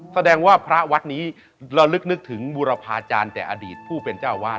แสดงว่าพระวัดนี้ระลึกนึกถึงบุรพาจารย์แต่อดีตผู้เป็นเจ้าวาด